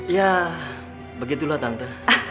ya begitulah tante